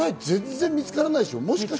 全然、見つからないでしょ。